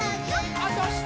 あ、どした！